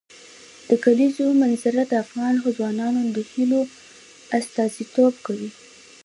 د کلیزو منظره د افغان ځوانانو د هیلو استازیتوب کوي.